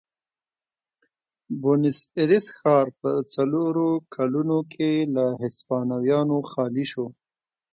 بونیس ایرس ښار په څلورو کلونو کې له هسپانویانو خالي شو.